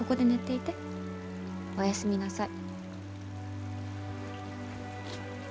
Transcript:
おやすみなさい。